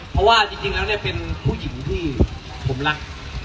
เพราะว่าจริงแล้วเนี่ยเป็นผู้หญิงที่ผมรัก